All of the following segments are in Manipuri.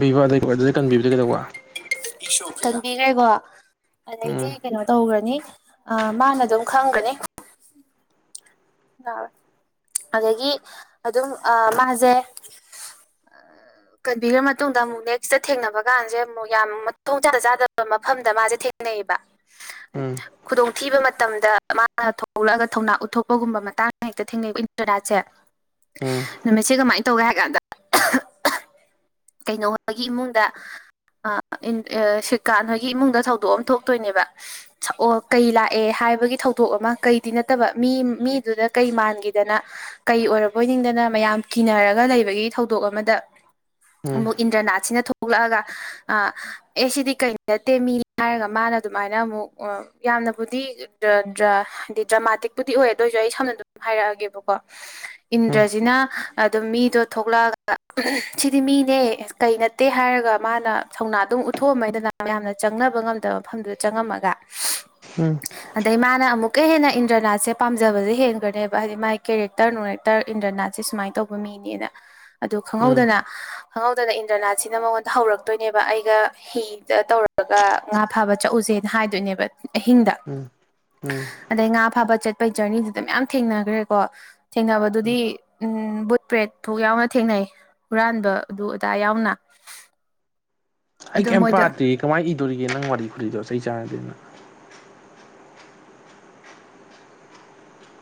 ꯕꯤꯕꯥ ꯗꯩ ꯀꯟꯕꯤꯕꯗ ꯀꯩꯗꯧꯕ ꯄꯤꯈ꯭ꯔꯦꯀꯣ ꯑꯗꯩꯗꯤ ꯎꯝ ꯀꯩꯅꯣ ꯇꯧꯈ꯭ꯔꯅꯤ ꯑ ꯃꯥꯅ ꯑꯗꯨꯝ ꯈꯪꯒꯅꯤ ꯌꯥꯎꯋꯦ ꯑꯗꯒꯤ ꯑꯗꯨꯝ ꯑ ꯃꯥꯁꯦ ꯑ ꯀꯟꯕꯤꯈ꯭ꯔ ꯃꯇꯨꯡꯗ ꯑꯃꯨꯛ ꯅꯦꯛꯁꯇ ꯊꯦꯡꯅꯕ ꯀꯥꯟꯁꯦ ꯑꯃꯨꯛ ꯌꯥꯝ ꯃꯣꯡ ꯆꯥꯗ ꯆꯥꯗꯕ ꯃꯐꯝꯗ ꯃꯥꯁꯦ ꯊꯦꯡꯅꯩ ꯎꯝ ꯈꯨꯗꯣꯡꯊꯤꯕ ꯃꯇꯝꯗ ꯃꯥꯅ ꯊꯣꯛꯂꯛꯑꯒ ꯊꯧꯅꯥ ꯎꯠꯊꯣꯛ ꯒꯨꯝꯕ ꯃꯇꯥꯡ ꯍꯦꯛꯇ ꯊꯦꯡꯅꯩ ꯏꯟꯇꯔꯅꯦꯠꯁꯦ ꯎꯝ ꯅꯨꯃꯤꯠꯁꯦ ꯀꯃꯥꯏꯅ ꯇꯧꯒꯦ ꯍꯥꯏ ꯀꯥꯟꯗ ꯀꯩꯅꯣꯒꯤ ꯏꯃꯨꯡꯗ ꯑ ꯁꯤꯀꯥꯟ ꯍꯣꯏꯒꯤ ꯏꯃꯨꯡꯗ ꯊꯧꯗꯣꯛ ꯑꯃ ꯊꯣꯛꯇꯣꯏꯅꯦꯕ ꯑꯣ ꯀꯩ ꯂꯥꯛꯑꯦ ꯍꯥꯏ ꯍꯥꯏꯕꯒꯤ ꯊꯧꯗꯣꯛ ꯑꯃ ꯀꯩꯗꯤ ꯅꯠꯇꯕ ꯃꯤ ꯃꯤꯗꯨꯗ ꯀꯩ ꯃꯥꯟꯈꯤꯗꯅ ꯀꯩ ꯑꯣꯏꯔꯕꯣꯏ ꯅꯤꯡꯗꯅ ꯃꯌꯥꯝ ꯀꯤꯅꯔꯒ ꯂꯩꯕꯒꯤ ꯊꯧꯗꯣꯛ ꯑꯃꯗ ꯑ...... ꯎꯝ ꯑꯃꯨꯛ ꯏꯟꯗ꯭ꯔꯅꯥꯠꯁꯤꯅ ꯊꯣꯛꯂꯛꯑꯒ ꯑꯦ ꯁꯤꯗꯤ ꯀꯩ ꯅꯠꯇꯦ ꯃꯤꯅꯤ ꯍꯥꯏꯔꯒ ꯃꯥꯅ ꯑꯗꯨꯃꯥꯏꯅ ꯑꯃꯨꯛ ꯌꯥꯝꯅꯕꯨꯗꯤ ꯍꯥꯏꯗꯤ ꯗ꯭ꯔꯃꯥꯇꯤꯛꯄꯨꯗꯤ ꯑꯣꯏ ꯑꯗꯨꯗ ꯑꯣꯏꯏꯁꯨ ꯑꯩ ꯁꯝꯅ ꯑꯗꯨꯝ ꯍꯥꯏꯔꯛꯑꯒꯦꯕꯀꯣ ꯎꯝ ꯏꯟꯗ꯭ꯔꯖꯤꯅ ꯑꯗꯨꯝ ꯃꯤ ꯑꯗꯣ ꯊꯣꯛꯂꯛꯑꯒ ꯁꯤꯗꯤ ꯃꯤꯅꯦ ꯀꯩ ꯅꯠꯇꯦ ꯍꯥꯏꯔꯒ ꯃꯥꯅ ꯊꯧꯅꯥ ꯑꯗꯨꯝ ꯎꯠꯊꯣꯛꯑꯝꯃꯅꯤ ꯑꯗꯨꯅ ꯃꯌꯥꯝꯅ ꯆꯪꯅꯕ ꯉꯝꯗꯕ ꯃꯐꯝꯗꯨꯗ ꯆꯪꯉꯝꯃꯒ ꯑꯗꯩ ꯃꯥꯅ ꯑꯃꯨꯛꯀ ꯍꯦꯟꯅ ꯏꯟꯗ꯭ꯔꯅꯥꯠꯁꯦ ꯄꯥꯝꯖꯕꯁꯦ ꯍꯦꯟꯒ꯭ꯔꯅꯦꯕ ꯍꯥꯏꯗꯤ ꯃꯒꯤ ꯀꯦꯔꯦꯛꯇꯔ ꯅꯨꯡꯔꯦꯛꯇꯔ ꯏꯟꯗ꯭ꯔꯅꯥꯠꯁꯦ ꯁꯨꯃꯥꯏꯅ ꯇꯧꯕ ꯃꯤꯅꯦꯅ ꯑꯗꯨ ꯎꯝ ꯎꯝ ꯈꯪꯍꯧꯗꯅ ꯑꯗꯨꯅ ꯏꯟꯗ꯭ꯔꯅꯥꯠꯁꯤꯅ ꯃꯉꯣꯟꯗ ꯍꯧꯔꯛꯇꯣꯏꯅꯦꯕ ꯑꯩꯒ ꯍꯤꯗ ꯇꯧꯔꯒ ꯉꯥ ꯐꯥꯕ ꯆꯠꯎꯁꯦꯅ ꯍꯥꯏ ꯍꯥꯏꯗꯣꯏꯅꯦꯕ ꯑꯍꯤꯡꯗ ꯎꯝ ꯎꯝ ꯑꯗꯩ ꯉꯥ ꯐꯥꯕ ꯆꯠ ꯩ ꯖꯔꯅꯤꯁꯤꯗ ꯃꯌꯥꯝ ꯊꯦꯡꯅꯈ꯭ꯔꯦꯀꯣ ꯊꯦꯡꯅꯕꯗꯨꯗꯤ ꯎꯝ ꯕꯨꯠ ꯕ꯭ꯔꯦꯗ ꯐꯥꯎ ꯌꯥꯎꯅ ꯊꯦꯡꯅꯩ ꯍꯨꯔꯥꯟꯕ ꯑꯗꯨ ꯑꯗꯥ ꯌꯥꯎꯅ ꯑꯩ ꯑꯗꯣ ꯀꯩꯝ ꯃꯣꯏꯗꯣ ꯄꯥꯗꯦ ꯀꯃꯥꯏꯅ ꯏꯗꯣꯔꯤꯒꯦ ꯅꯪ ꯋꯥꯔꯤ ꯈꯨꯨꯂꯤꯗꯣꯆ ꯆꯥꯟꯅꯗꯦꯅ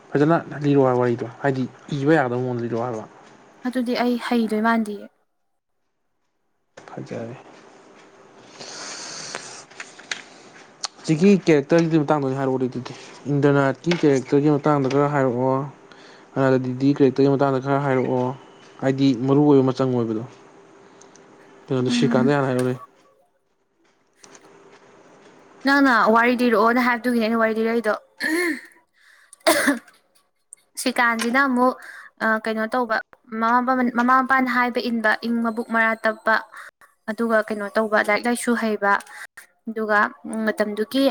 ꯐꯖꯅ ꯂꯤꯔꯣ ꯍꯥꯏ ꯋꯥꯔꯤꯗꯣ ꯍꯥꯏꯗꯤ ꯏꯕ ꯌꯥꯗꯕ ꯃꯑꯣꯗ ꯂꯤꯔꯣ ꯍꯥꯏꯔꯕ ꯑꯗꯨꯗꯤ ꯑꯩ ꯍꯩꯗꯣꯏ ꯃꯥꯟꯗꯦꯌꯦ ꯐꯖꯔꯦ ꯁꯤꯒꯤ ꯀꯦꯔꯦꯛꯇꯔꯒꯤꯗꯤ ꯃꯇꯥꯡꯗ ꯑꯣꯏꯅ ꯍꯥꯏꯔꯛꯑꯣꯗꯩ ꯑꯗꯨꯗꯤ ꯏꯟꯗ꯭ꯔꯅꯥꯠꯀꯤ ꯀꯦꯔꯦꯛꯇꯔꯒꯤ ꯃꯇꯥꯡꯗ ꯈꯔ ꯍꯥꯏꯔꯛꯑꯣ ꯍꯅꯗꯗꯤ ꯀꯦꯔꯦꯛꯇꯔꯒꯤ ꯃꯇꯥꯡꯗ ꯈꯔ ꯍꯥꯏꯔꯛꯑꯣ ꯍꯥꯏꯗꯤ ꯃꯔꯨ ꯑꯣꯏꯕ ꯃꯆꯪ ꯑꯣꯏꯕꯗꯣ ꯐ ꯎꯝ ꯁꯛꯥꯟꯗ ꯌꯥꯅ ꯍꯅꯦ ꯅꯪꯅ ꯋꯥꯔꯤ ꯂꯤꯔꯛꯑꯣꯅ ꯍꯥꯏꯕꯗꯨꯒꯤꯅꯦ ꯑꯩꯅ ꯋꯥꯔꯤ ꯂꯤꯔꯛꯏꯗꯣ ꯁ꯭ꯔꯤꯀꯥꯟꯁꯤꯅ ꯑꯃꯨꯛ ꯀꯩꯅꯣ ꯇꯧꯕꯃꯥ ꯃꯃꯥ ꯃꯄꯥꯅ ꯍꯥꯏꯕ ꯏꯟꯕ ꯏꯪꯕ ꯃꯕꯨꯛ ꯃꯔꯥ ꯇꯞꯄ ꯑꯗꯨꯒ ꯀꯩꯅꯣ ꯇꯧꯕ ꯂꯥꯏꯔꯤꯛ ꯂꯥꯏꯁꯨ ꯍꯩꯕ ꯑꯗꯨꯒ ꯃꯇꯝꯗꯨꯒꯤ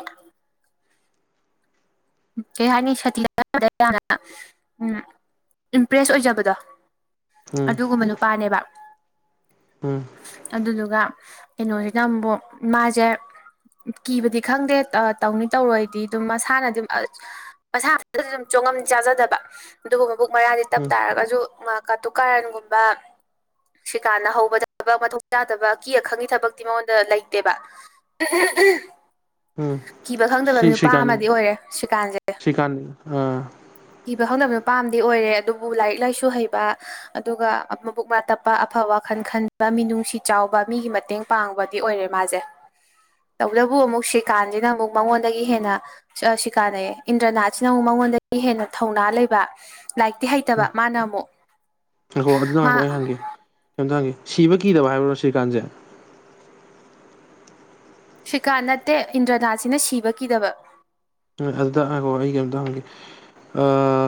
ꯀꯩꯍꯥꯏꯅꯤ ꯁꯥꯇꯤꯗ ꯌꯥꯝꯅꯥ ꯎꯝ ꯏꯝꯄ꯭ꯔꯦꯁ ꯑꯣꯏꯖꯕꯗꯣ ꯎꯝ ꯑꯗꯨꯒꯨꯝꯕ ꯅꯨꯄꯥꯅꯦꯕ ꯎꯝ ꯑꯗꯨꯗꯨꯒ ꯀꯩꯅꯣꯁꯤꯅ ꯑꯃꯨꯕꯨꯛ ꯃꯥꯁꯦ ꯀꯤꯕꯗꯤ ꯈꯪꯗꯦ ꯇꯧꯅꯤ ꯇꯧꯔꯣꯏꯗꯤ ꯑꯗꯨꯝ ꯃꯁꯥꯅꯗꯨꯝ ꯑ ꯃꯁꯥ ꯃꯁꯨ ꯑꯗꯨꯝ ꯆꯣꯡꯉꯝ ꯆꯥꯖꯗꯕ ꯑꯗꯨꯕꯨ ꯃꯕꯨꯛ ꯃꯔꯥꯁꯦ ꯇꯞ ꯎꯝ ꯇꯥꯔꯒꯁꯨ ꯀꯇꯨ ꯀꯥꯔꯟꯒꯨꯝꯕ ꯁꯤꯀꯥꯟꯅ ꯍꯧꯕꯗ ꯊꯕꯛ ꯃꯊꯧ ꯆꯥꯗꯕ ꯑꯀꯤ ꯑꯈꯪꯒꯤ ꯊꯕꯛꯇꯤ ꯃꯉꯣꯟꯗ ꯂꯩꯇꯦꯕ ꯎꯝ ꯀꯤꯕ ꯈꯪꯗꯕ ꯅꯨꯄꯥ ꯑꯃꯗꯤ ꯑꯣꯏꯔꯦ ꯁꯤꯀꯥꯟꯁꯦ ꯁꯤꯀꯥꯟꯇ ꯑ ꯀꯤꯕ ꯍꯪꯗꯕ ꯅꯨꯄꯥꯝꯗꯤ ꯑꯣꯏꯔꯦ ꯑꯗꯨꯕꯨ ꯂꯥꯏꯔꯤꯛ ꯂꯥꯏꯁꯨ ꯍꯩꯕ ꯑꯗꯨꯒ ꯃꯕꯨꯛ ꯃꯔꯥ ꯇꯞꯄ ꯑꯐ ꯑꯐꯕ ꯋꯥꯈꯟ ꯈꯟꯕ ꯃꯤꯅꯨꯡꯁꯤ ꯆꯥꯎꯕ ꯃꯤꯒꯤ ꯃꯇꯦꯡ ꯄꯥꯡꯕꯗꯤ ꯑꯣꯏꯔꯦ ꯃꯥꯁꯦ ꯇꯧꯕꯇꯕꯨ ꯑꯃꯨꯛ ꯁꯤꯀꯥꯟꯁꯤꯅ ꯑꯃꯨꯛ ꯃꯉꯣꯟꯗꯒꯤ ꯍꯦꯟꯅ ꯁꯤꯀꯥꯟ ꯑꯌꯦ ꯏꯟꯗ꯭ꯔꯅꯥꯠꯁꯤꯅ ꯑꯃꯨꯛ ꯃꯉꯣꯟꯗꯒꯤ ꯑꯩ ꯍꯦꯟꯅ ꯊꯧꯅꯥ ꯂꯩꯕ ꯂꯥꯏꯔꯤꯛꯇꯤ ꯍꯩꯇꯕ ꯃꯥꯅ ꯑꯃꯨꯛ ꯉꯥꯏꯈꯣ ꯑꯗꯨꯗ ꯃꯥ ꯉꯥꯏꯈꯣ ꯑꯩ ꯍꯪꯒꯦ ꯀꯩꯝꯇ ꯍꯪꯒꯦ ꯁꯤꯕ ꯀꯤꯗꯕ ꯍꯥꯏꯕ꯭ꯔꯣ ꯁꯤꯀꯥꯟꯁꯦ ꯁ꯭ꯀꯥ ꯅꯠꯇꯦ ꯏꯟꯗ꯭ꯔꯅꯥꯠꯁꯤꯅ ꯁꯤꯕ ꯀꯤꯗꯕ ꯑꯗꯨꯗꯣ ꯑꯩꯒꯤ ꯑꯝꯇ ꯍꯪꯒꯦ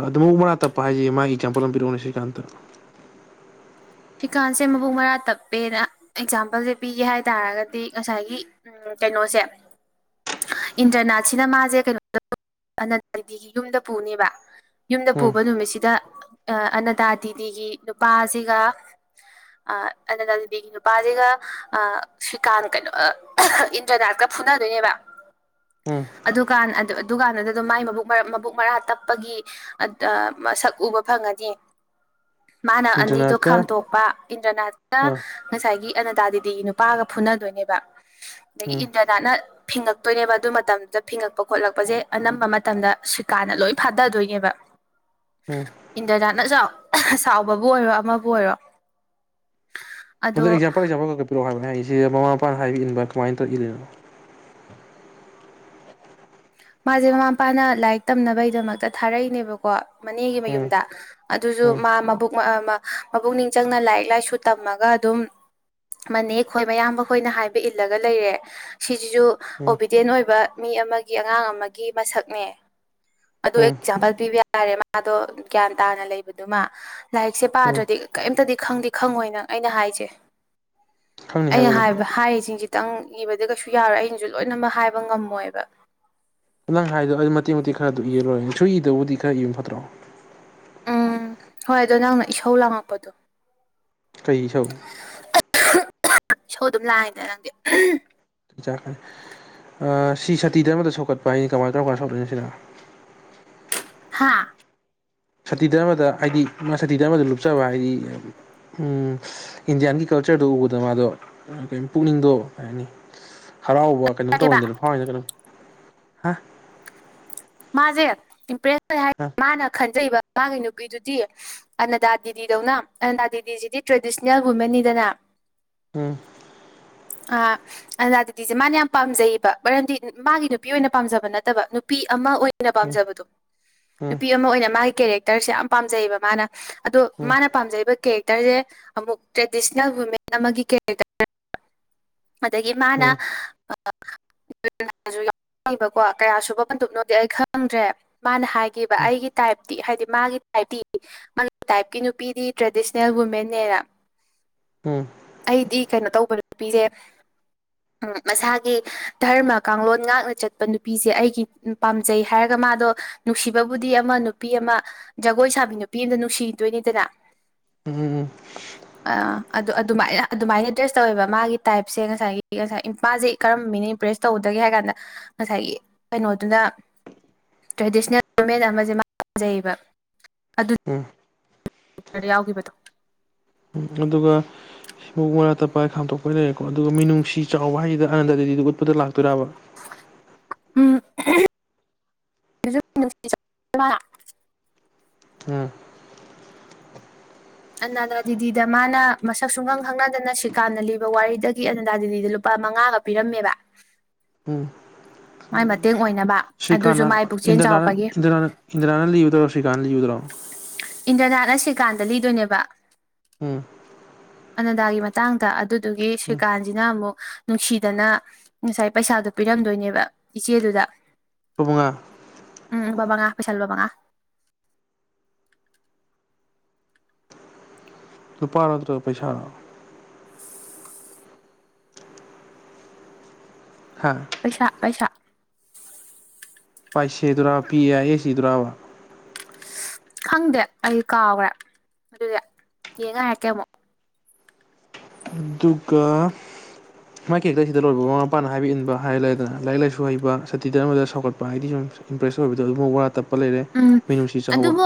ꯑꯗꯨ ꯃꯕꯨ ꯃꯔꯥ ꯇꯞꯄ ꯍꯥꯏꯁꯦ ꯃꯥꯒꯤ ꯑꯦꯛꯖꯥꯝꯄꯜ ꯑꯃ ꯄꯔꯛꯑꯣꯅꯦ ꯁꯤꯀꯥꯟꯗ [unintelligible] ꯐꯤꯀꯥꯟꯁꯦ ꯃꯕꯨꯡ ꯃꯔꯥ ꯇꯞꯄꯦꯅ ꯑꯦꯛꯖꯥꯝꯄꯜꯁꯦ ꯄꯤꯒꯦ ꯍꯥꯏ ꯇꯥꯔꯒꯗꯤ ꯉꯁꯥꯏꯒꯤ ꯎ ꯀꯩꯅꯣꯁꯦ ꯏꯟꯇ꯭ꯔꯅꯥꯠꯁꯤꯅ ꯃꯥꯁꯦ ꯀꯩꯅꯣ ꯑꯅꯟꯗꯤꯒꯤ ꯌꯨꯝꯗ ꯄꯨꯅꯦꯕ ꯌꯨꯝꯗ ꯎꯝ ꯄꯨꯕ ꯅꯨꯃꯤꯠꯁꯤꯗ ꯑꯅꯗꯥ ꯇꯤꯗꯤꯒꯤ ꯅꯨꯄꯥꯁꯤꯒ ꯑꯅꯗ ꯗꯦꯕꯤꯒꯤ ꯅꯨꯄꯥꯁꯤꯒ ꯁ꯭ꯔꯤꯀꯥꯟ ꯀꯩꯅꯣ ꯏꯟꯗ꯭ꯔꯅꯥꯠꯀ ꯐꯨꯅ ꯑꯗꯨꯅꯦꯕ ꯎꯝ ꯑꯗꯨꯀꯥꯟ ꯑꯗꯨꯀꯥꯟꯗꯨꯗ ꯑꯗꯨꯝ ꯃꯥꯏ ꯃꯕꯨꯛ ꯃꯔꯥ ꯇꯞꯄꯒꯤ ꯁꯛ ꯎꯕ ꯐꯪ ꯗ ꯃꯥꯅ ꯑꯅꯤꯗꯨ ꯖꯨꯅꯥꯠꯀ ꯈꯥꯝꯇꯣꯛꯄ ꯏꯟꯗ꯭ꯔꯅꯥꯅ ꯑꯥ ꯉꯁꯥꯏꯒꯤ ꯑꯅꯗꯥꯗꯤ ꯗꯤ ꯅꯨꯄꯥꯒ ꯐꯨꯅꯗꯣꯏꯅꯦꯕ ꯎꯝ ꯑꯗꯒꯤ ꯏꯟꯗ꯭ꯔꯗꯥꯠꯅ ꯐꯤꯡꯉꯛꯇꯣꯏꯅꯦꯕ ꯑꯗꯨ ꯃꯇꯝꯗꯨꯗ ꯐꯤꯡꯉꯛꯄ ꯈꯣꯠꯂꯛꯄꯁꯦ ꯑꯅꯝꯕ ꯃꯇꯝꯗ ꯁꯨꯀꯥꯅ ꯂꯣꯏ ꯐꯥꯗꯗꯣꯏꯅꯦꯕ ꯎꯝ ꯏꯟꯗ꯭ꯔꯗꯥꯠꯅ ꯆꯥꯎ ꯁꯥꯎꯕꯕꯨ ꯑꯣꯏꯔꯣ ꯑꯃꯕꯨ ꯑꯣꯏꯔꯣ ꯐ ꯑꯗꯣ ꯑꯦꯛꯥꯄꯜ ꯑꯦꯄꯤꯔꯛ ꯍꯥꯏ ꯃꯁꯤꯗ ꯃꯃꯥ ꯃꯄꯥꯅ ꯍꯥꯏꯕꯤ ꯏꯟꯕ ꯀꯃꯥꯏꯅ ꯇꯧꯏꯜꯂꯤꯅꯣ ꯃꯥꯁꯦ ꯃꯃꯥ ꯃꯄꯥꯅ ꯂꯥꯏꯔꯤꯛ ꯇꯝꯅꯕꯒꯤꯗꯃꯛꯇ ꯊꯥꯔꯛꯏꯅꯦꯕꯀꯣ ꯃꯅꯦꯒꯤ ꯎꯝ ꯃꯌꯨꯝꯗ ꯑꯗꯨꯁꯨ ꯎꯝ ꯃꯥ ꯃꯕꯨꯛ ꯃꯄꯛꯅꯤꯡ ꯆꯪꯅ ꯂꯥꯏꯔꯤꯛ ꯂꯥꯏꯁꯨ ꯇꯝꯃꯒ ꯑꯗꯨꯝ ꯃꯅꯦ ꯈꯣꯏ ꯃꯌꯥꯝꯕꯈꯣꯏꯅ ꯍꯥꯏꯕ ꯏꯜꯂꯒ ꯂꯩꯔꯦ ꯁꯤ ꯁꯤꯁꯨ ꯎꯝ ꯑꯣꯕꯤꯗꯦꯟ ꯑꯣꯏꯕ ꯃꯤ ꯑꯃꯒꯤ ꯑꯉꯥꯡ ꯑꯃꯒꯤ ꯃꯁꯛꯅꯦ ꯑꯗꯨ ꯎꯝ ꯑꯦꯛꯖꯥꯝꯄꯜ ꯄꯤꯕ ꯌꯥꯔꯦ ꯃꯥꯗꯣ ꯒ꯭ꯌꯥꯟ ꯇꯥꯅ ꯂꯩꯕꯗꯨꯃ ꯂꯥꯏꯔꯤꯛꯁꯦ ꯎꯝ ꯄꯥꯗ꯭ꯔꯗꯤ ꯀꯔꯤꯝꯇꯗꯤ ꯈꯪꯗꯤ ꯈꯪꯉꯣꯏꯅ ꯑꯩꯅ ꯍꯥꯏꯁꯦ ꯈꯪꯅꯤ ꯑ ꯍꯥꯏꯔꯣ ꯑꯗꯨꯝ ꯍꯥꯏꯕ ꯍꯥꯏꯁꯤꯡꯁꯤ ꯈꯤꯇꯪ ꯏꯕꯗꯤ ꯀꯩꯁꯨ ꯌꯥꯔꯣꯏ ꯑꯩꯅꯁꯨ ꯂꯣꯏꯅꯃꯛ ꯍꯥꯏꯕ ꯉꯝꯃꯣꯏꯕ ꯅ ꯅꯪ ꯍꯥꯏꯗꯣ ꯑꯗꯨ ꯃꯇꯦꯛ ꯃꯇꯦꯛ ꯈꯔꯗꯨ ꯏꯔꯔꯣꯏꯔ ꯁꯨꯏꯗꯕꯨꯗꯤ ꯈꯔ ꯏꯌꯨ ꯐꯠꯇ꯭ꯔꯣ ꯎꯝ ꯍꯣꯏ ꯑꯗꯣ ꯅꯪꯅ ꯏꯁꯧ ꯂꯥꯡꯉꯛꯄꯗꯣ ꯀꯩ ꯏꯁꯧ ꯁꯣ ꯑꯗꯨꯝ ꯂꯥꯛꯑꯅꯦ ꯅꯪꯗꯤ ꯁꯤ ꯁꯇꯤꯗ ꯑꯃꯗ ꯁꯣꯛꯀꯠꯄ ꯍꯥꯏꯅꯤ ꯀꯃꯥꯏꯅ ꯇꯧꯔꯀꯥꯟ ꯁꯣꯛꯗꯣꯏꯅꯣ ꯁꯤꯅ ꯑ ꯁꯇꯤ ꯗꯙꯔꯃꯗ ꯍꯥꯏꯗꯤ ꯃꯥ ꯁꯇꯤ ꯗꯙꯔꯃꯗ ꯂꯨꯞꯆꯕ ꯍꯥꯏꯗꯤ ꯎꯝ ꯏꯟꯗꯤꯌꯥꯟꯒꯤ ꯀꯜꯆꯔꯗꯨꯣ ꯎꯕꯗ ꯃꯥꯗꯣ ꯀ ꯄꯨꯛꯅꯤꯡꯗꯣ ꯀꯅꯤ ꯑ ꯍꯔꯥꯎꯕ ꯀꯩꯅꯣꯝ ꯇꯧꯔꯤꯏꯗꯅ ꯐꯥꯎꯏꯅ ꯀꯩꯅꯣꯝ ꯍꯥ ꯃꯥꯁꯦ ꯏꯝꯄ꯭ꯔꯦꯁ ꯑꯣꯏ ꯍꯥꯏ ꯍꯥ ꯃꯥꯅ ꯈꯟꯖꯩꯕ ꯃꯥꯒꯤ ꯅꯨꯄꯤꯗꯨꯗꯤ ꯑꯅꯗꯥ ꯗꯦꯗꯤꯗꯧꯅ ꯑꯅꯗꯥ ꯗꯦꯗꯤꯖꯤꯗꯤ ꯇ꯭ꯔꯦꯗꯤꯁꯅꯦꯜ ꯋꯨꯃꯦꯟꯅꯤꯗꯅ ꯎꯝ ꯑꯥ ꯑ ꯑꯗꯨꯗꯤꯁꯦ ꯃꯥꯅ ꯌꯥꯝ ꯄꯥꯝꯖꯩꯌꯦꯕ ꯃꯔꯝꯗꯤ ꯃꯥꯒꯤ ꯅꯨꯄꯤ ꯑꯣꯏꯅ ꯄꯥꯝꯖꯕ ꯅꯠꯇꯕ ꯅꯨꯄꯤ ꯑꯃ ꯑꯣꯏꯅ ꯎꯝ ꯄꯥꯝꯖꯕꯗꯣ ꯎꯝ ꯅꯨꯄꯤ ꯑꯃ ꯑꯣꯏꯅ ꯃꯥꯒꯤ ꯀꯦꯔꯦꯛꯇꯔꯁꯦ ꯌꯥꯝ ꯄꯥꯝꯖꯩꯌꯦꯕ ꯃꯥꯅ ꯑꯗꯣ ꯃꯥꯅ ꯄꯥꯝꯖꯩꯕ ꯀꯦꯛ ꯦꯛꯇꯔꯁꯦ ꯑꯃꯨꯛ ꯇ꯭ꯔꯦꯗꯤꯁꯅꯦꯜ ꯋꯨꯃꯦꯟ ꯑꯃꯒꯤ ꯀꯦꯔꯦꯛꯇꯔ ꯑꯗꯒꯤ ꯎꯝ ꯎꯝ ꯎꯝ ꯃꯥꯅꯕꯀꯣ ꯀꯌꯥ ꯁꯨꯕ ꯄꯨꯞꯅꯣ ꯗꯤ ꯑꯩ ꯈꯪꯗ꯭ꯔꯦ ꯃꯥꯅ ꯍꯥꯏꯈꯤꯕ ꯑꯩꯒꯤ ꯇꯥꯏꯞ ꯍꯥꯏꯗꯤ ꯃꯥꯒꯤ ꯇꯥꯏꯞꯇꯤ ꯃꯥꯒꯤ ꯇꯥꯏꯞꯀꯤ ꯅꯨꯄꯤꯗꯤ ꯇ꯭ꯔꯦꯗꯤꯁꯅꯦꯜ ꯋꯨꯃꯦꯟꯅꯦꯅ ꯑꯩꯗꯤ ꯀꯩꯅꯣ ꯇꯧꯕ ꯅꯨꯄꯤꯁꯦ ꯃꯁꯥꯒꯤ ꯙꯔꯃ ꯀꯥꯡꯂꯣꯟ ꯉꯥꯛꯅ ꯆꯠꯄ ꯅꯨꯄꯤꯁꯦ ꯑꯩꯒꯤ ꯄꯥꯝꯖꯩ ꯍꯥꯏꯔꯒ ꯃꯥꯗꯣ ꯅꯨꯡꯁꯤꯕꯕꯨꯗꯤ ꯑꯃ ꯅꯨꯄꯤ ꯑꯃ ꯖꯒꯣꯏ ꯁꯥꯕꯤ ꯅꯨꯄꯤ ꯑꯃꯗ ꯅꯨꯡꯁꯤꯗꯣꯏꯅꯤ ꯗꯅ ꯎꯝ ꯎꯝ ꯎꯝ ꯑ ꯑꯗꯨ ꯑꯗꯨꯃꯥꯏꯅ ꯑꯗꯨꯃꯥꯏꯅ ꯗ꯭ꯔꯦꯁ ꯇꯧꯋꯦꯕ ꯃꯥꯒꯤ ꯇꯥꯏꯞꯁꯦ ꯉꯁꯥꯏꯒꯤ ꯉꯁꯥꯏ ꯃꯥꯁꯦ ꯀꯔꯝꯕ ꯃꯤꯅ ꯏꯝꯄ꯭ꯔꯦꯁ ꯇꯧꯒꯗꯒꯦ ꯍꯥꯏ ꯀꯥꯟꯗ ꯉꯁꯥꯏꯒꯤ ꯀꯩꯅꯣꯗꯨꯅ ꯇ꯭ꯔꯦꯗꯤꯁꯅꯦꯜ ꯗꯣꯔꯃꯦꯟ ꯑꯃꯁꯦ ꯃꯥ ꯄꯥꯝꯖꯩꯌꯦꯕ ꯑꯝ ꯗ ꯌꯥꯎꯈꯤꯕꯗꯣ ꯎꯝ ꯑꯗꯨꯒ ꯁꯤ ꯃꯕꯨ ꯃꯔꯥ ꯇꯞꯄ ꯈꯥꯝꯇꯣꯛꯄꯩ ꯂꯩꯔꯦꯀꯣ ꯑꯗꯨꯒ ꯃꯤꯅꯨꯡꯁꯤ ꯆꯥꯎꯕ ꯍꯥꯏꯁꯤꯗ ꯑꯅꯗꯗꯦꯗꯤ ꯎꯠꯄꯗ ꯂꯥꯛꯇꯣꯏꯕ ꯎꯝ ꯎꯝ ꯑꯅꯥꯗꯥ ꯗꯗꯤꯗ ꯃꯥꯅ ꯃꯁꯛ ꯁꯨꯡꯈꯪ ꯈꯪꯅꯗꯅ ꯁꯤꯀꯥꯟꯝꯅ ꯂꯤꯕ ꯋꯥꯔꯤꯗꯒꯤ ꯑꯅꯗꯥꯗꯤꯗ ꯂꯨꯄꯥ ꯃꯉꯥꯒ ꯄꯤꯔꯝꯃꯦꯕ ꯃꯣꯏ ꯃ ꯃꯇꯦ ꯍꯣꯏ ꯭ꯀꯥꯟ ꯏꯟ꯭ꯔꯅ ꯏꯟ꯭ꯔꯅ ꯏ꯭ꯔꯅꯟ ꯌꯣꯗ ꯔꯣ꯭ꯔꯤꯀꯥꯟ ꯌꯣꯗ ꯔꯣ ꯏꯟꯗ꯭ꯔꯅꯥꯠꯅ ꯁꯀꯥꯟꯗ ꯂꯤꯗꯣꯏꯅꯦꯕ ꯎꯝ ꯑꯅꯗꯥꯒꯤ ꯃꯇꯥꯡꯗ ꯑꯗꯨꯗꯨꯒꯤ ꯎꯝ ꯁ꯭ꯔꯤꯀꯥꯟꯁꯤꯅ ꯑꯃꯨꯛ ꯅꯨꯡꯁꯤꯗꯅ ꯉꯁꯥꯏ ꯄꯩꯁꯥꯗꯨꯣ ꯄꯤꯔꯝꯗꯣꯏꯅꯦꯕ ꯏꯆꯦꯗꯨꯗ ꯨꯕꯉꯥ ꯄꯩꯁꯥꯜ ꯄꯉ ꯂꯨꯄꯥ ꯅꯠꯇ꯭ꯔꯒ ꯄꯩꯁꯥ ꯍꯥ ꯄꯩꯁꯥ ꯄꯩꯁꯥ ꯄꯥꯏꯁꯦꯗꯔꯥ ꯄꯤ ꯌꯥ ꯑꯦꯁꯤ ꯇꯔꯥꯕ ꯈꯪꯗꯦ ꯑꯩ ꯀꯥꯎꯈ꯭ꯔꯦ ꯑꯗꯨꯗꯤ ꯌꯦꯡꯉꯔꯛꯀꯦ ꯑꯃꯨꯛ ꯑꯗꯨꯒ ꯃꯥꯏꯀꯦꯛꯇꯁꯤꯗ ꯂꯣꯏꯔꯤꯕ ꯃꯃꯥ ꯃꯄꯥꯅ ꯍꯥꯏꯕ ꯏꯟꯕ ꯍꯥꯏꯔ ꯂꯩꯔꯗꯅ ꯂꯥꯏꯔꯤꯛ ꯂꯥꯏꯁꯨ ꯍꯩꯕ ꯁꯇꯤ ꯙꯔꯃꯗ ꯁꯧꯒꯠꯄ ꯍꯥꯏꯗꯤ ꯁꯨꯝ ꯏꯝꯄ꯭ꯔꯦꯁ ꯑꯣꯏꯕꯗꯣ ꯑꯗꯨꯝ ꯋꯥ ꯇꯞ ꯎꯝ ꯑꯗꯨꯕꯨ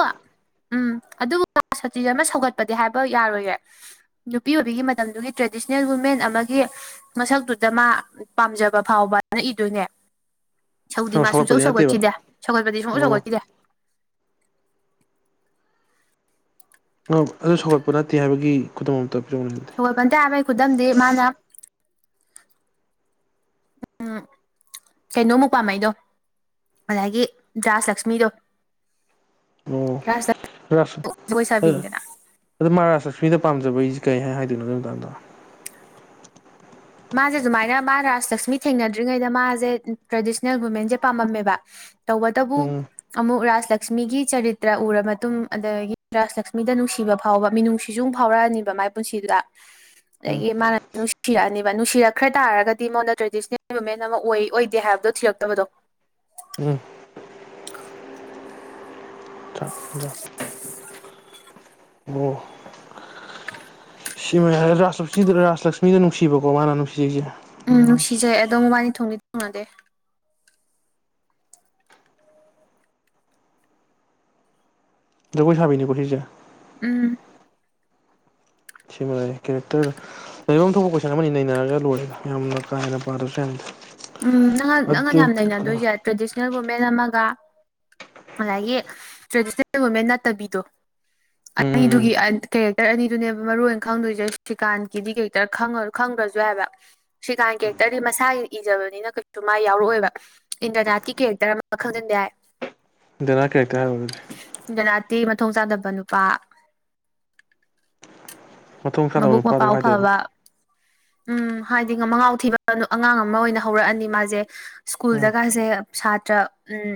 ꯎꯝ ꯑꯗꯨꯕꯨ ꯁꯇꯤꯤꯁ ꯑꯃ ꯁꯧꯒꯠꯄꯗꯤ ꯍꯥꯏꯕ ꯌꯥꯔꯣꯏꯔ ꯅꯨꯄꯤ ꯑꯣꯏꯕꯤꯒꯤ ꯃꯇꯝꯗꯨꯒꯤ ꯇ꯭ꯔꯦꯗꯤꯁꯅꯦꯜ ꯋꯨꯃꯦꯟ ꯑꯃ ꯃꯁꯛꯇꯨꯗ ꯃꯥ ꯄꯥꯝꯖꯕ ꯐꯥꯎꯕꯅ ꯏꯗꯣꯏꯅꯦ ꯁꯧꯗꯤ ꯃꯥ ꯁꯨꯡꯁꯧ ꯁꯧꯒꯠꯄꯗꯤ ꯅꯠꯇꯦꯕ ꯁꯧꯒꯠꯈꯤꯗꯦ ꯁꯧꯒꯠꯄꯗꯤ ꯁꯨꯡꯧ ꯑꯣ ꯁꯧꯒꯠꯈꯤꯗꯦ ꯑꯗꯨ ꯁꯧꯒꯠꯄ ꯅꯠꯇꯦ ꯍꯥꯏꯕꯒꯤ ꯈꯨꯗꯝ ꯑꯇ ꯁꯒꯣꯏꯕꯟꯇ ꯍꯥꯏꯕꯩ ꯈꯨꯗꯝꯗꯤ ꯃꯥꯅ ꯑ ꯀꯩꯅꯧ ꯃꯨꯄꯥꯃꯩꯗꯣ ꯑꯗꯨꯗꯒꯤ ꯖꯥꯁ ꯂꯛꯁꯃꯤꯗꯣ ꯔꯥꯖ ꯂꯛꯁꯃꯤ ꯑꯣꯁ ꯖꯒꯣꯏ ꯁꯥꯕꯤꯅꯤꯗꯅ ꯑꯗꯨ ꯃꯥꯔꯥꯁ ꯁꯨꯃꯤꯅ ꯄꯥꯝꯖꯕꯩꯁꯤꯦ ꯀꯩ ꯍꯥꯏ ꯍꯥꯏꯗꯣꯏꯅꯣ ꯑꯗꯨꯒꯤ ꯃꯇꯥꯡꯗꯣ ꯃꯥꯁꯦ ꯁꯨꯃꯥꯏꯅ ꯃꯥ ꯔꯥꯁ ꯂꯛꯁꯃꯤ ꯊꯦꯡꯅꯗ꯭ꯔꯤꯉꯩꯗ ꯃꯥꯁꯦ ꯇ꯭ꯔꯦꯗꯤꯁꯅꯦꯜ ꯋꯨꯃꯦꯟꯁꯦ ꯄꯥꯝꯃꯝꯃꯦꯕ ꯇꯧꯕꯇꯕꯨ ꯎꯝ ꯑꯃꯨꯛ ꯔꯥꯁ ꯂꯛꯁꯃꯤꯒꯤ ꯆꯔꯤꯇ꯭ꯔ ꯎꯔ ꯃꯇꯨꯡ ꯑꯗꯒꯤ ꯔꯥꯁ ꯂꯛꯁꯃꯤꯗ ꯅꯨꯡꯁꯤꯕ ꯐꯥꯎꯕ ꯃꯤꯅꯨꯡꯁꯤꯖꯨꯡ ꯐꯥꯎꯔꯛꯑꯅꯤꯕ ꯄꯨꯟꯁꯤ ꯑ ꯎꯝ ꯃꯥꯅ ꯅꯨꯡꯁꯤꯔ ꯅꯨꯡꯁꯤꯔꯛꯈ꯭ꯔ ꯇꯥꯔꯒꯗꯤ ꯃꯉꯗ ꯇ꯭ꯔꯦꯗꯤꯁꯅꯦꯜ ꯋꯤꯦꯟ ꯑꯃ ꯑꯣꯏ ꯑꯣꯏꯗꯦ ꯍꯥꯏꯕꯗꯣ ꯊꯤꯔꯛꯇꯕꯗꯣ ꯎꯝ [unintelligible] ꯁꯤꯥꯁ ꯔꯥꯁ ꯂꯛꯁꯃꯤꯗ ꯅꯨꯡꯁꯤꯕꯀꯣ ꯃꯥꯅ ꯅꯨꯡꯁꯤꯩꯁꯦ ꯎꯝ ꯁꯤꯖꯩꯑꯦ ꯑꯗꯣꯕꯥꯅꯤ ꯊꯣꯡꯗꯤ ꯊꯨꯡꯅꯗꯦ ꯅꯣꯏ ꯁꯥꯕꯤꯅꯤ ꯈꯨꯁꯤꯁ ꯎꯝ ꯁꯤꯃ ꯀꯔꯦꯛꯇꯔ ꯂꯩꯐꯝ ꯊꯣꯛꯄ ꯀꯣꯏꯁꯟ ꯑꯃꯅꯤ ꯅꯩꯅꯔꯒ ꯂꯣꯏꯔꯦ ꯌꯥꯝꯅ ꯀꯥ ꯍꯟꯅ ꯄꯥꯗ꯭ꯔꯁꯨ ꯌꯥꯅꯗ ꯎꯝ ꯅꯪ ꯅꯪꯒ ꯌꯥꯝ ꯅꯩꯅꯗꯣꯏꯁꯦ ꯇ꯭ꯔꯦꯗꯤꯁꯅꯦꯜ ꯋꯨꯃꯦꯟ ꯑꯃꯒ ꯉꯁꯥꯏꯒꯤ ꯇ꯭ꯔꯦꯗꯤꯁꯅꯦꯜ ꯋꯨꯃꯦꯟ ꯅꯠꯇꯕꯤꯗꯣ ꯎꯝ ꯑꯅꯤꯗꯨꯒꯤ ꯀꯦꯔꯦꯛꯇꯔ ꯑꯅꯤꯗꯨꯅꯦꯕ ꯃꯔꯨꯑꯣꯏ ꯈꯪꯗꯣꯏꯁꯦ ꯁ꯭ꯔꯤꯀꯥꯟꯀꯤꯗꯤ ꯀꯦꯔꯦꯛꯇꯔ ꯈꯉ ꯌꯥꯏꯕ ꯁꯤꯀꯥꯟ ꯀꯦꯔꯦꯛꯇꯔꯗꯤ ꯃꯁꯥꯒꯤ ꯏꯖꯕꯅꯤꯅ ꯀꯩꯁꯨ ꯃꯥ ꯌꯥꯎꯔꯛꯑꯣꯦꯕ ꯏꯟꯗ꯭ꯔꯅꯥꯠꯤ ꯀꯦꯛꯇꯔꯝꯕ ꯈꯪꯗꯟꯕꯏ ꯔ ꯀꯦꯇ ꯍꯥꯏ ꯑꯣꯏꯗꯤ ꯈꯨꯊꯣꯡ ꯆꯥꯗꯕ ꯅꯨꯄꯥ ꯃꯊꯣꯡ ꯆꯥꯗꯕ ꯃꯥꯕꯨꯛ ꯃꯥ ꯅꯨꯄꯥ ꯑꯗꯨꯝ ꯄꯥꯎ ꯍꯥꯏꯗꯣꯏꯔꯣ ꯐꯥꯕ ꯎꯝ ꯍꯥꯏꯗꯤ ꯃꯒꯥꯎ ꯊꯤꯕ ꯑꯉꯥꯡ ꯑꯃ ꯑꯣꯏꯅ ꯍꯧꯔꯛꯑꯅꯤ ꯃꯥꯁꯦ ꯎꯝ ꯁ꯭ꯀꯨꯜꯗꯒꯁꯦ ꯁꯥꯇ꯭ꯔ ꯎꯝ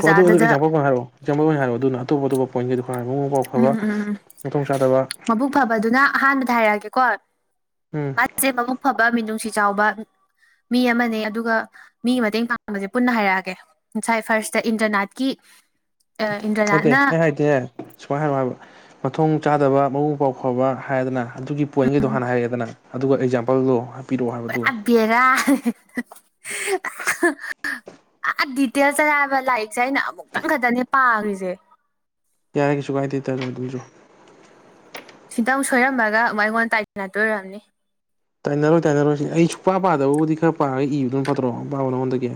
ꯎꯣ ꯑꯗꯨ ꯑꯦꯛꯖꯥꯄꯜ ꯑꯣꯏꯅ ꯍꯥꯏꯔꯑꯣ ꯑꯦꯛꯥꯝꯜ ꯑꯣꯏꯅ ꯍꯥꯏꯔꯑꯣ ꯑꯗꯨ ꯑꯣꯞꯇꯣꯞꯄ ꯄꯣꯏꯟꯒꯤ ꯎꯝ ꯎꯝ ꯎꯝ ꯎꯝ ꯃꯕꯨꯛ ꯐꯕꯗꯨꯅ ꯑꯍꯥꯟꯕꯗ ꯍꯥꯏꯔꯛꯑꯒꯦ ꯀꯣ ꯎꯝ ꯃꯥꯁꯦ ꯃꯕꯨꯛ ꯐꯕ ꯃꯤꯅꯨꯡꯁꯤ ꯆꯥꯎꯕ ꯃꯤ ꯑꯃꯅꯦ ꯑꯗꯨꯒ ꯃꯤꯒꯤ ꯃꯇꯦꯡ ꯄꯥꯡꯕꯁꯦ ꯄꯨꯟꯅ ꯍꯥꯏꯔꯛꯑꯒꯦ ꯉꯁꯥꯏ ꯐꯥꯔꯁꯇ ꯏꯟꯇꯔꯅꯥꯠꯀꯤ [inaudible] ꯑꯗ ꯍꯦ ꯍꯥꯏ ꯏꯗꯤꯦ ꯁꯨꯃꯥꯏ ꯍ ꯃꯊꯣꯡ ꯆꯥꯗꯕ ꯃꯕꯨꯡ ꯄꯥꯎ ꯐꯕ ꯍꯥꯏꯗꯅ ꯑꯗꯨꯒꯤ ꯄꯣꯏꯟꯒꯤꯗꯣ ꯍꯥꯟꯅ ꯍꯥꯏꯒꯦꯗꯅ ꯑꯗꯨꯒ ꯑꯦꯛꯖꯥꯝꯄꯜꯗꯣ ꯄꯤꯔꯛꯑꯣ ꯍꯥꯏꯕ ꯑꯗꯨꯒ ꯑꯕꯔꯥ ꯑ ꯗꯤꯇꯦꯜ ꯆꯕ ꯂꯥꯏꯔꯤꯛꯁꯦ ꯑꯩꯅ ꯑꯃꯨꯛꯇꯪ ꯈꯛꯇꯅꯦ ꯄꯥꯈ꯭ꯔꯤꯁꯦ ꯀꯥꯏ ꯀꯩꯁꯨ ꯀꯥꯏꯗꯦꯗꯗ ꯑꯗꯨꯁꯨ ꯇꯪ ꯁꯣꯏꯔꯝꯃꯒ ꯑꯩꯉꯣꯟꯗ ꯇꯥꯏꯇꯟꯅꯗꯣꯏꯔꯝꯅꯤ ꯇꯥꯏꯅꯔꯣꯏ ꯇꯥꯏꯅꯔꯣꯏꯁꯤ ꯑꯩ ꯁꯨꯄꯥ ꯄꯥꯗꯕꯕꯨꯗꯤ ꯈꯔ ꯄꯥꯔꯒ ꯏꯕꯗꯨꯝ ꯐꯠꯇ꯭ꯔꯣ ꯑ ꯄꯄꯥꯕ ꯅꯉꯣꯟꯗꯒꯤ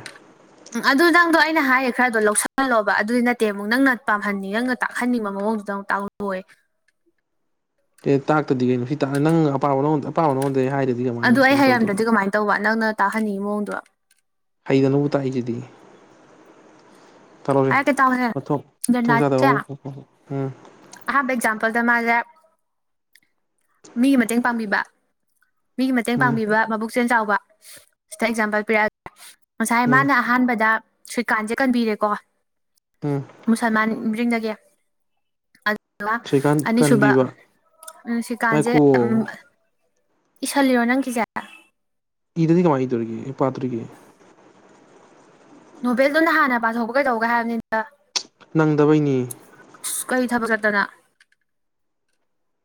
ꯎꯝ ꯑꯗꯨ ꯅꯪꯗꯣ ꯑꯩꯅ ꯍꯥꯏꯌꯦꯦ ꯈꯔꯗꯣ ꯂꯧꯁꯜꯍꯜꯂꯣꯕ ꯑꯗꯨꯗꯤ ꯅꯠꯇꯦ ꯑꯃꯨꯛ ꯅꯪꯅ ꯄꯥꯝꯍꯟꯅꯤꯡ ꯅꯪꯅ ꯇꯥꯛꯍꯟꯅꯤꯡꯕ ꯃ ꯃꯁꯗ ꯇꯍ ꯍꯋ ꯑꯦ ꯇꯥꯛꯇꯗꯤ ꯀꯩꯅꯣ ꯁꯤ ꯇꯥꯛ ꯅꯪ ꯑꯄꯥꯕ ꯅꯣ ꯑ ꯄꯥꯎꯅ ꯍꯣꯟꯗ꯭ꯔꯦ ꯍꯥꯏꯔꯗꯤ ꯀꯃꯥꯏ ꯀꯩꯅꯣ ꯇꯧꯗꯣꯔꯤꯦ ꯇꯥꯍꯟꯅꯤꯡꯉꯤ ꯃꯑꯣꯡꯗꯣ ꯍꯩꯗꯅꯕꯨ ꯇꯥꯛꯏꯁꯤꯗꯤ ꯆꯥꯍꯧꯁꯦ ꯍꯥꯏꯔꯛꯀꯦ ꯇꯥꯎꯍꯦ ꯃꯊꯨꯝꯊꯨꯝ ꯆꯥꯗꯕ ꯍꯥꯥ ꯑꯦꯛꯖꯥꯝꯄꯜꯗꯃꯖꯦ ꯃꯤꯒꯤ ꯃꯇꯦꯡ ꯄꯥꯡꯕꯤꯕ ꯃꯤꯒꯤ ꯃꯇꯦꯡ ꯎꯝ ꯄꯥꯡꯕꯤꯕ ꯃꯕꯨꯛꯁꯦꯜ ꯆꯥꯎꯕ ꯁꯤꯗ ꯑꯦꯛꯖꯥꯝꯄꯜ ꯄꯤꯔꯛꯑꯒꯦ ꯉꯁꯥꯏ ꯎꯝ ꯃꯥꯅ ꯑꯍꯥꯟꯕꯗ ꯁ꯭ꯔꯤꯀꯥꯟꯁꯦ ꯀꯟꯕꯤꯔꯦꯀꯣ ꯎꯝ ꯃꯨꯁꯜꯃꯥꯟꯔꯤꯅꯒꯦ ꯁ꯭ꯔꯤꯀꯥꯟ ꯑꯅꯤ ꯁꯨꯕ ꯀꯟꯕꯤꯕ ꯁꯤꯀꯥꯟꯖꯦ ꯉꯥꯏꯈꯣ ꯏꯁꯥꯂꯔꯣ ꯅꯪꯈꯤꯖꯥ ꯏ ꯋꯥꯥꯡ ꯇꯔꯀꯦ ꯄꯠꯇꯔꯀꯦ ꯅꯣꯕꯦꯜꯗꯨꯅ ꯍꯥꯟꯅ ꯄꯥꯊꯣꯛꯄ ꯀꯩꯗꯧꯕꯒꯦ ꯍꯥꯏꯕꯅꯤꯗ ꯅꯪꯗꯕꯩꯅꯤ ꯀꯩ ꯊꯕꯛ ꯆꯛꯇꯅ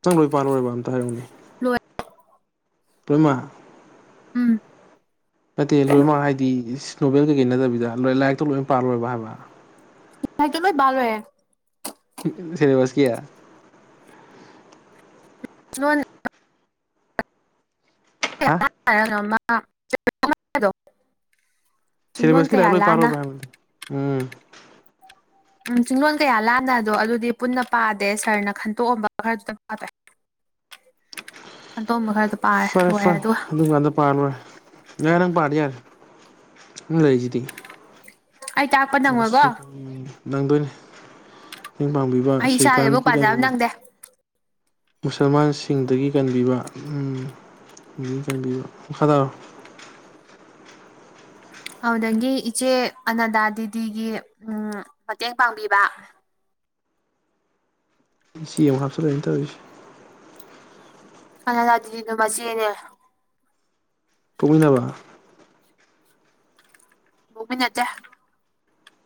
ꯆꯪ ꯂꯣꯏ ꯄꯥꯂꯣꯏꯕ ꯑꯇ ꯍꯥꯏꯔꯛꯅꯦ ꯂꯣꯏ ꯑꯩꯃ ꯎꯝ ꯅꯠꯇꯦ ꯂꯣꯏꯅꯃꯛ ꯍꯥꯏꯗꯤ ꯏꯁ ꯅꯣꯕꯦꯜ ꯀꯩꯀꯩ ꯅꯠꯇꯕꯤꯗ ꯂꯥꯏꯔꯤꯛꯇꯣ ꯂꯣꯏꯅ ꯄꯥꯜꯔꯣꯏꯕ ꯍꯥꯏꯕ ꯊꯥꯏ ꯆ ꯂꯣꯏ ꯜꯣꯦ ꯁꯤꯂꯦꯕꯁ ꯀ ꯅ ꯍꯥ ꯃ ꯁꯤꯂꯦꯕꯁꯀꯤ ꯂ ꯂꯣꯏ ꯄꯔ ꯄ ꯎꯝ ꯎꯝ ꯆꯤꯡꯂꯣꯟ ꯀꯌꯥ ꯂꯥꯟꯅ ꯑꯗꯣ ꯑꯗꯨꯗꯤ ꯄꯨꯟꯅ ꯄꯥꯗꯦ ꯁꯔꯅ ꯈꯟꯇꯣꯛꯑꯝꯕ ꯈꯔꯗꯨꯗ ꯄꯥ ꯑꯟꯇꯣꯝꯕ ꯈꯔꯗ ꯄꯥꯔꯦ ꯂꯣꯏꯔꯦ ꯑꯗꯨꯒ ꯌꯥꯔ ꯄꯥ ꯌꯥꯔ ꯂꯩꯁꯤꯇ ꯑꯩ ꯇꯥꯛꯄ ꯑ ꯅꯪꯉꯣꯏꯀꯣ ꯅꯪꯗꯅ ꯃꯇꯦꯡ ꯄꯥꯡꯕꯤꯕ ꯑꯩ ꯏꯁꯥꯒꯤꯕꯨ ꯁ꯭ꯔꯤꯀꯥꯟꯀꯤ ꯄꯥꯖꯕ ꯀꯕꯤꯕ ꯅꯪꯗꯦ ꯃꯨꯁꯜꯃꯥꯟꯁꯤꯡꯗꯒꯤ ꯀꯟꯕꯤꯕ ꯆꯪꯕꯤꯕꯣ ꯃꯈꯥ ꯇꯥꯔꯣ [unintelligible] ꯑꯗꯨ ꯅꯪꯒꯤ ꯏꯆꯦ ꯑꯅꯥꯗꯥ ꯗꯦꯗꯤꯒꯤ ꯎ ꯃꯇꯦꯡ ꯄꯥꯡꯕꯤꯕ ꯁꯤꯛ ꯍꯥꯞꯁꯂ ꯏꯇꯁ ꯑꯅ ꯑꯗꯨꯅꯤꯅ ꯃꯁꯅꯦ ꯀꯃꯤꯗꯕ ꯣꯃꯤ ꯅꯠꯇ